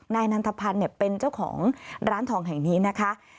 นายนันทพันธ์เป็นเจ้าของร้านทองแห่งนี้นะคะ